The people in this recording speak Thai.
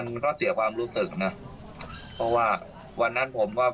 มันก็เสียความรู้สึกนะเพราะว่าวันนั้นผมก็